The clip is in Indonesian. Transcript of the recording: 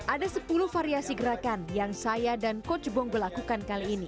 ada sepuluh variasi gerakan yang saya dan coach jebong lakukan kali ini